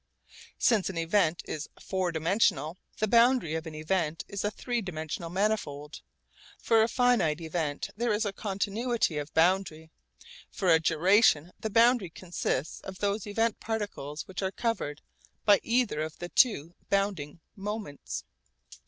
Since an event is four dimensional, the boundary of an event is a three dimensional manifold. For a finite event there is a continuity of boundary; for a duration the boundary consists of those event particles which are covered by either of the two bounding moments.